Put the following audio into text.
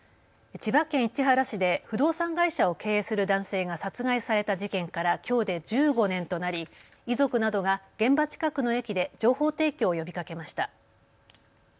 千葉県市原市で不動産会社を経営する男性が殺害された事件からきょうで１５年となり遺族などが現場近くの駅で情報提供を呼びかけました。